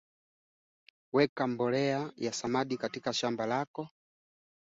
alikadiria kuwa waandishi wa habari takribani mia moja themanini